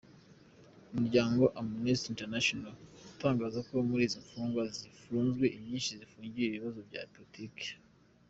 Umuryango Amnesty Internationa, utangaza ko muri izi mfungwa zifunzwe, inyinshi zifungiwe ibibazo bya politike.